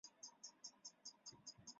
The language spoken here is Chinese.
圣若塞代邦克人口变化图示